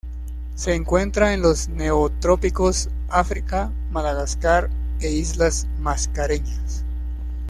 Se encuentra en los neotrópicos, África, Madagascar e Islas Mascareñas.